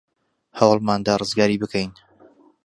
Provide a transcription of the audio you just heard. هەوڵمان دا ڕزگاری بکەین.